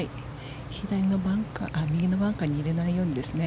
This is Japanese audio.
右のバンカーに入れないようにですね。